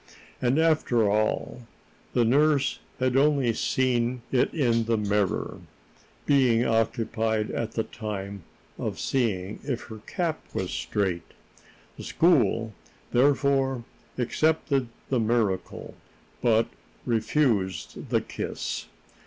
And, after all, the nurse had only seen it in the mirror, being occupied at the time in seeing if her cap was straight. The school, therefore, accepted the miracle, but refused the kiss.